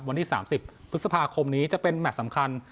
วันที่๓๐พฤษภาคมนี้จะเป็นแมทสำคัญ